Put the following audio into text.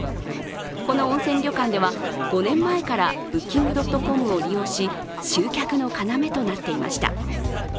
この温泉旅館では５年前からＢｏｏｋｉｎｇ．ｃｏｍを利用し集客の要となっていました。